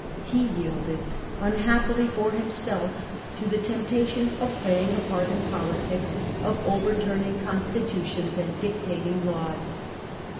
He yielded, unhappily for himself, to the temptation of playing a part in politics, of overturning constitutions and dictating laws.